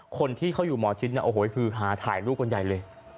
คนที่เขาอยู่หมอชิดเนี่ยโอ้โหคือหาถ่ายรูปกันใหญ่เลย